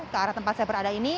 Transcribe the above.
ke arah tempat saya berada ini